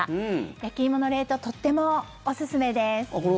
焼き芋の冷凍とってもおすすめです。